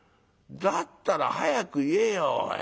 だったら早く言えよ。